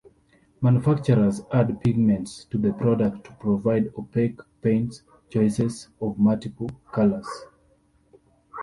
Manufacturers add pigments to the product to provide opaque paint choices of multiple colors.